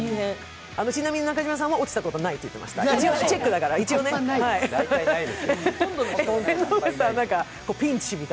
ちなみに中島さんは落ちたことないっておっしゃっていました。